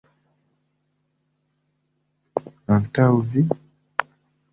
Antaŭ vi?